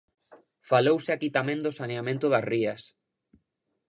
Falouse aquí tamén do saneamento das rías.